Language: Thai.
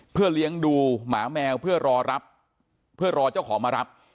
เพื่อเลี้ยงดูหมาแมวเพื่อรอรับเพื่อรอเจ้าของมารับ